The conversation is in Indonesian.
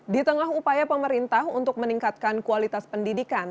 di tengah upaya pemerintah untuk meningkatkan kualitas pendidikan